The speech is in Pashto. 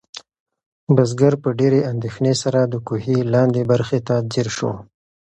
بزګر په ډېرې اندېښنې سره د کوهي لاندې برخې ته ځیر شو.